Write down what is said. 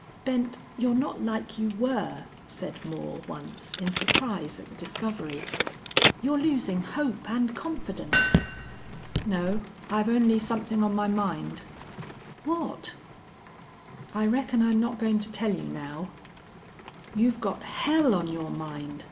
"Bent, you're not like you were," said Moore, once, in surprise at the discovery. "You're losing hope and confidence." "No. I've only somethin' on my mind." "What?" "I reckon I'm not goin' to tell you now." "You've got hell on your mind!"